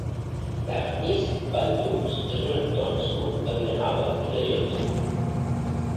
Dafnis Balduz és un actor nascut a Vilanova i la Geltrú.